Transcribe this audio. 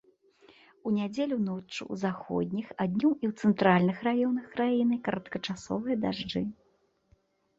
У нядзелю ноччу ў заходніх, а днём і ў цэнтральных раёнах краіны кароткачасовыя дажджы.